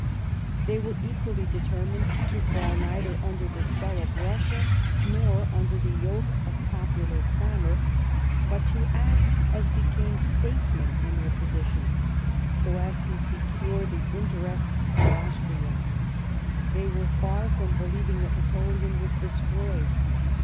They were equally determined to fall neither under the spell of Russia nor under the yoke of popular clamour, but to act, as became statesmen in their position, so as to secure the interests of THE WINTER OF 1812 13. 86 Austria. They were far from believing that Napoleon was destroyed.